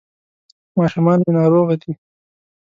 ماشومان مي ناروغه دي ..